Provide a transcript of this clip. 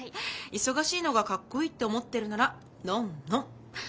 忙しいのがかっこいいって思ってるならノンノン。